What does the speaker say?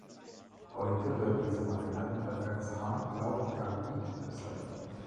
Heute wird diese Variante als Hartlaub-Gambit bezeichnet.